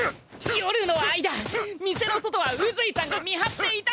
夜の間店の外は宇髄さんが見張っていただろ！